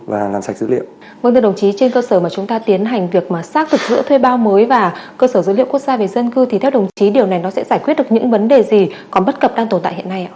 vâng thưa đồng chí trên cơ sở mà chúng ta tiến hành việc mà xác thực giữa thuê bao mới và cơ sở dữ liệu quốc gia về dân cư thì theo đồng chí điều này nó sẽ giải quyết được những vấn đề gì còn bất cập đang tồn tại hiện nay ạ